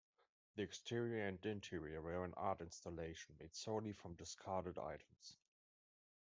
The exterior and interior were an art installation made solely from discarded items.